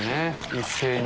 一斉に。